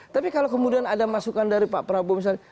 tapi kalau kemudian ada masukan dari pak prabowo misalnya